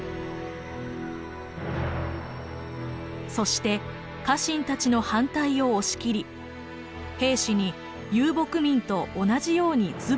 そして家臣たちの反対を押し切り兵士に遊牧民と同じようにズボンをはかせました。